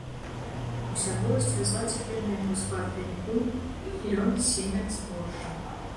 Уся воласць вязла цяпер на яго склад пяньку, лён, семя, збожжа.